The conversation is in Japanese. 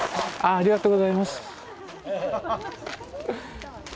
ありがとうございます。